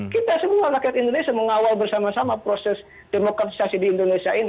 kita semua rakyat indonesia mengawal bersama sama proses demokratisasi di indonesia ini